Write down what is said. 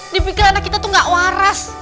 dipikir anak kita tuh gak waras